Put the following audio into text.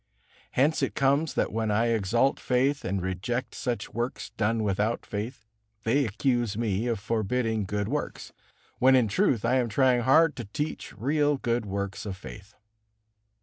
Hence it comes that when I exalt faith and reject such works done without faith, they accuse me of forbidding good works, when in truth I am trying hard to teach real good works of faith.